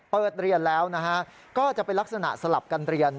เปิดเรียนแล้วก็จะเป็นลักษณะสลับกันเรียน